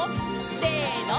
せの！